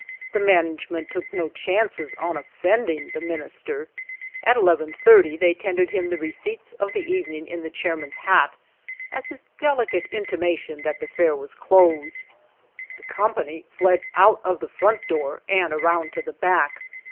The management took no chances on offending the minister; at 11.30 they tendered him the receipts of the evening in the chair man's hat, as a delicate intimation that the fair was closed. The company filed out of the front door and around to the back.